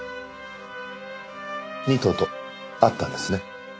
仁藤と会ったんですね？